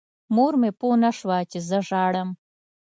مور مې پوه نه شوه چې زه ژاړم.